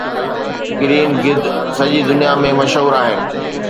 green گدھ سڄي دنيا ۾ مشهور آهن